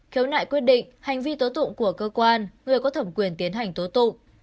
khiếu nại quyết định hành vi tố tụng của cơ quan người có thẩm quyền tiến hành tố tụng